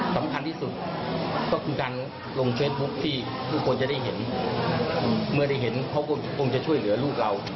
สำคัญที่สุดก็คือการลงเฟซบุ๊คที่ทุกคนจะได้เห็นเมื่อได้เห็นเขาคงจะช่วยเหลือลูกเรา